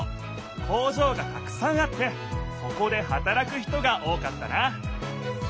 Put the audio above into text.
工場がたくさんあってそこではたらく人が多かったな。